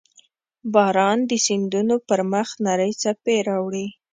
• باران د سیندونو پر مخ نرۍ څپې راوړي.